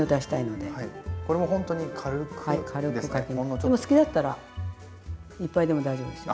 でもお好きだったらいっぱいでも大丈夫ですよ。